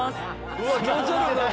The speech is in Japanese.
うわっ気持ち悪い！